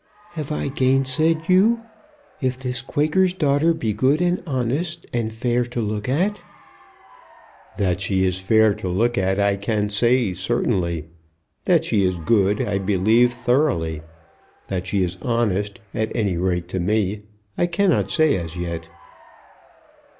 Have I gainsaid you? If this Quaker's daughter be good and honest, and fair to look at " "That she is fair to look at I can say certainly. That she is good I believe thoroughly. That she is honest, at any rate to me, I cannot say as yet."